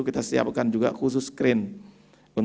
kita siapkan juga khusus screen